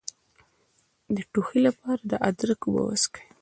د ټوخي لپاره د ادرک اوبه وڅښئ